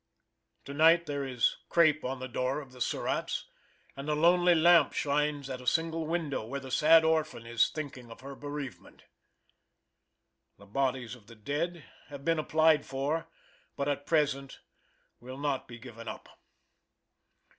To night there is crape on the door of the Surratt's, and a lonely lamp shines at a single window, where the sad orphan is thinking of her bereavement. The bodies of the dead have been applied for but at present will not given up.